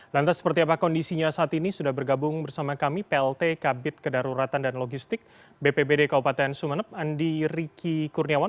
lantas seperti apa kondisinya saat ini sudah bergabung bersama kami plt kabit kedaruratan dan logistik bpbd kabupaten sumeneb andi riki kurniawan